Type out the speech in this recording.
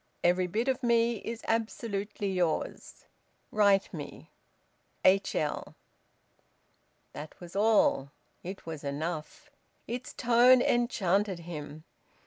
Every bit of me is absolutely yours. Write me. H.L." That was all. It was enough. Its tone enchanted him.